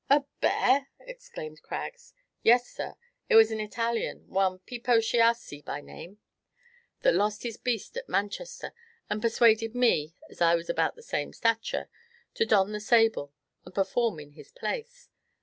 "A bear!" exclaimed Craggs. "Yes, sir. It was an Italian one Pipo Chiassi by name that lost his beast at Manchester, and persuaded me, as I was about the same stature, to don the sable, and perform in his place.